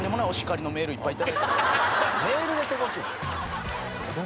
メールで届くん？